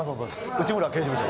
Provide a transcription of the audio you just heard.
内村刑事部長です。